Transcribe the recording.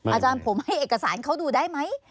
อาจารย์ผมให้เอกสารเขาดูได้ไหม